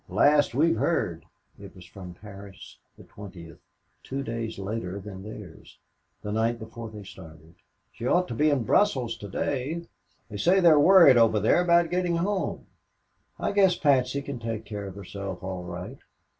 "Last we've heard." It was from Paris, the 20th, two days later than theirs, the night before they started. "She ought to be in Brussels to day. They say they're worried over there about getting home. I guess Patsy can take care of herself all right.